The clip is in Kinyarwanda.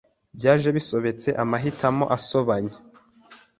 byaje bisobetse amahitamo asobanye